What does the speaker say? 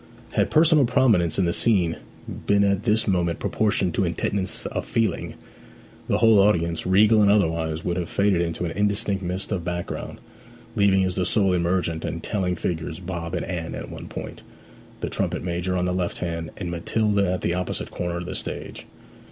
Had personal prominence in the scene been at this moment proportioned to intentness of feeling, the whole audience, regal and otherwise, would have faded into an indistinct mist of background, leaving as the sole emergent and telling figures Bob and Anne at one point, the trumpet major on the left hand, and Matilda at the opposite corner of the stage.